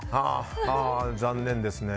残念ですね。